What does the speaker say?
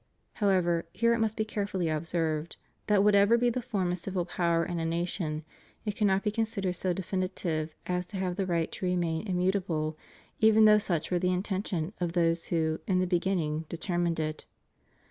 However, here it mugt be carefully observed that what ever be the form of civil power in a nation, it cannot be considered so definitive as to have the right to remain immutable, even though such were the intention of those who, in the beginning, determined it.